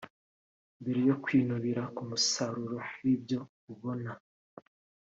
Mbere yo kwinubira umusaruro w’ibyo ubona